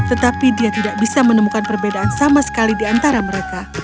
tetapi dia tidak bisa menemukan perbedaan sama sekali di antara mereka